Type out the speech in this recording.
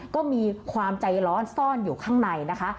ก็มีความใจร้อนซ่อนอยู่ข้างในนะคะ